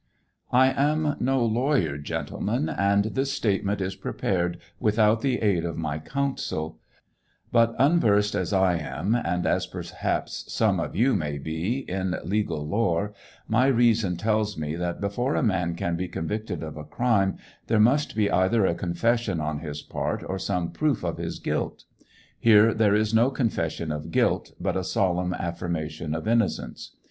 I am no lawyer, gentlemen, and this statement is prepared without the aid of my counsel ; but unversed as I am, and as perhaps some of you may be in legal lore, my reason tells me that before a man can be convicted of a crime there must be either a confession on his part or some proof of his guilt. Here there is no confession of guilt, but a solemn affirmation of innocence.